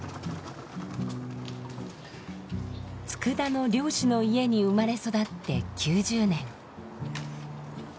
佃の漁師の家に生まれ育って９０年。